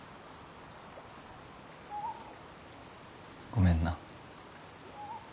ごめんな。